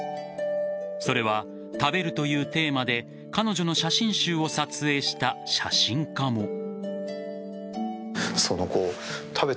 それは、食べるというテーマで彼女の写真集を撮影した写真家も。